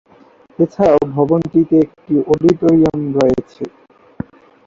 এছাড়া ভবনটিতে একটি অডিটোরিয়াম রয়েছে।